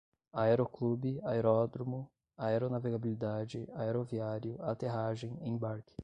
aeroclube, aeródromo, aeronavegabilidade, aeroviário, aterragem, embarque